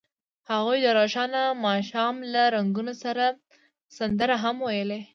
هغوی د روښانه ماښام له رنګونو سره سندرې هم ویلې.